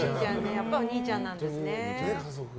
やっぱりお兄ちゃんなんですね。